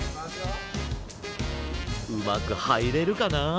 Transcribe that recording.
うまくはいれるかな？